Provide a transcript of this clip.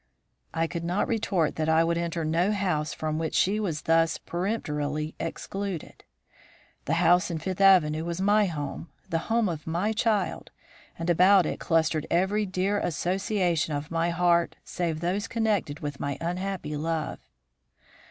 "I could not retort that I would enter no house from which she was thus peremptorily excluded. The house in Fifth Avenue was my home, the home of my child; and about it clustered every dear association of my heart save those connected with my unhappy love.